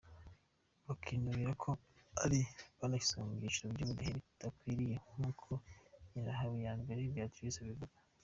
Bakinubira ko ariko banashyizwe mu byiciro by’ubudehe bitabakwiye; nkuko Nyirahabiyambere Beatrice abivuga.